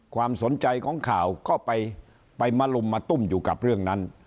ความสนใจของข่าวก็ไปมาลุมมาตุ้มอยู่กับเรื่องนั้น